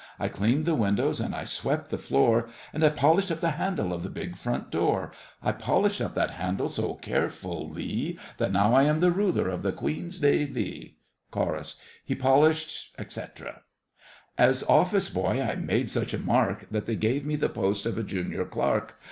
I cleaned the windows and I swept the floor, And I polished up the handle of the big front door. I polished up that handle so carefullee That now I am the Ruler of the Queen's Navee! CHORUS.—He polished, etc. As office boy I made such a mark That they gave me the post of a junior clerk.